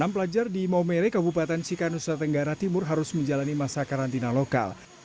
enam pelajar di maumere kabupaten cikanusa tenggara timur harus menjalani masa karantina lokal